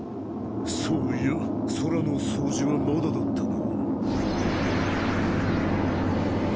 そういや空の掃除はまだだったな。